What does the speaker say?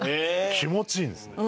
気持ちいいんですね。